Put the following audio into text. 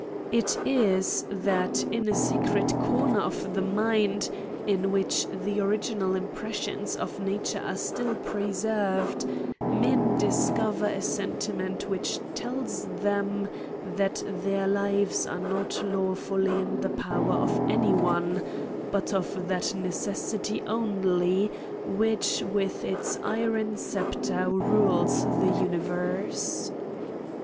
It is, that, in a secret corner of the mind, in which the original impressions of nature are still preserved, men discover a senti ment which tells them, that their lives are not law fully in the power of any one, but of tHat necessity only which with its iron sceptre rules the uni verse.